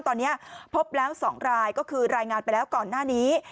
ตอนนี้พบแล้ว๒รายก็คือรายงานไปแล้วก่อนหน้านี้